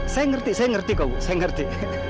saya mengerti saya mengerti kok bu saya mengerti